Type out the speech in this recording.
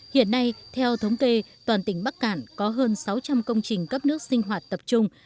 hiện nay theo thống kê toàn tỉnh bắc cản có hơn sáu trăm linh công trình cấp nước sinh hoạt tập trung